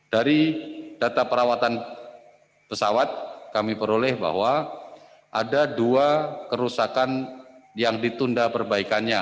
dari data perawatan pesawat kami peroleh bahwa ada dua kerusakan yang ditunda perbaikannya